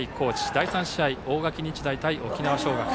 第３試合、大垣日大対沖縄尚学。